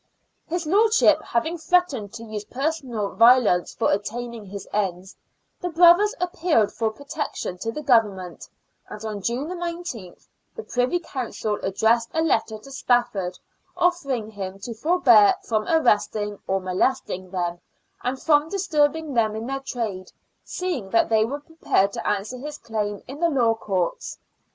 His lordship having threatened to use personal violence for attaining his ends, the brothers appealed for protection to the Government, and on June 19th the Privy Council addressed a letter to Stafford, ordering him to forbear from arresting or molesting them and from disturbing them in their trade, seeing that they were prepared to answer his claim in the law courts.